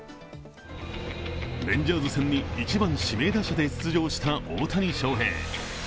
レンジャーズ戦に１番・指名打者で出場した大谷翔平。